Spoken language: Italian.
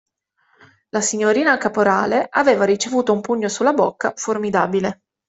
La signorina Caporale aveva ricevuto un pugno su la bocca, formidabile.